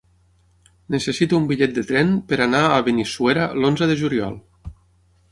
Necessito un bitllet de tren per anar a Benissuera l'onze de juliol.